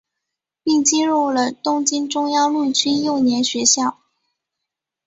并进入了东京中央陆军幼年学校。